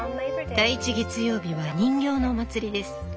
第１月曜日は人形のお祭りです。